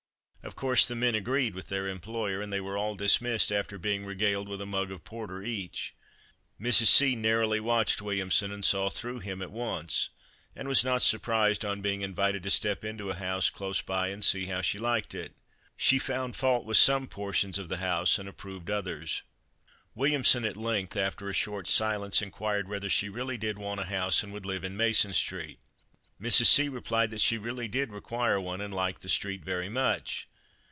Of course the men agreed with their employer, and they were all dismissed after being regaled with a mug of porter each. Mrs. C narrowly watched Williamson and saw through him at once, and was not surprised on being invited to step into a house close by and see how she liked it. She found fault with some portions of the house and approved others. Williamson at length, after a short silence, inquired whether she really did want a house and would live in Mason street. Mrs. C replied that she did really require one and liked the street very much.